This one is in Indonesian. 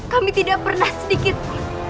kami tidak pernah sedikitpun